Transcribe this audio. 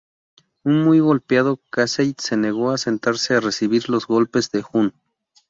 Un muy golpeado Casey se negó a sentarse a recibir los golpes de Hun.